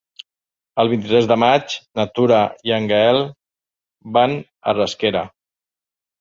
El vint-i-tres de maig na Tura i en Gaël van a Rasquera.